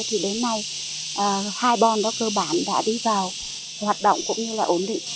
thì đến nay hai bon đó cơ bản đã đi vào hoạt động cũng như là ổn định